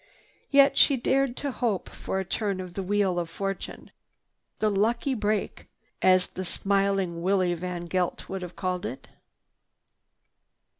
Yet she dared to hope for a turn of the wheel of fortune—"the lucky break" as the smiling Willie VanGeldt would have called it.